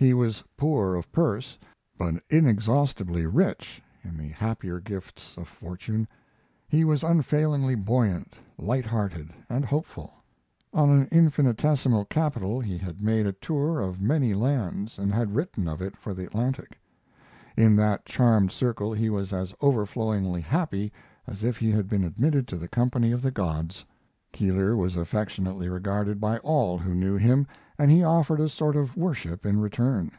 He was poor of purse, but inexhaustibly rich in the happier gifts of fortune. He was unfailingly buoyant, light hearted, and hopeful. On an infinitesimal capital he had made a tour of many lands, and had written of it for the Atlantic. In that charmed circle he was as overflowingly happy as if he had been admitted to the company of the gods. Keeler was affectionately regarded by all who knew him, and he offered a sort of worship in return.